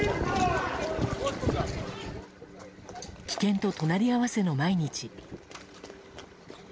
危険と隣り合わせの毎日。